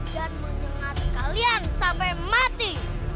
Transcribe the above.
dan menyembat kalian sampai mati